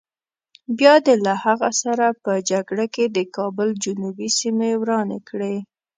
بیا دې له هغه سره په جګړه کې د کابل جنوبي سیمې ورانې کړې.